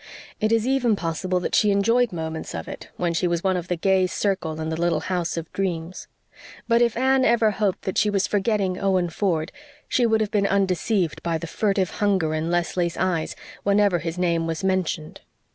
It is even possible that she enjoyed moments of it, when she was one of the gay circle in the little house of dreams. But if Anne ever hoped that she was forgetting Owen Ford she would have been undeceived by the furtive hunger in Leslie's eyes whenever his name was mentioned.